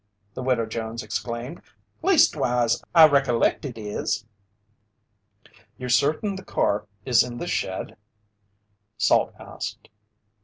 the Widow Jones exclaimed. "Leastwise, I recollect it is!" "You're certain the car still is in the shed?" Salt asked.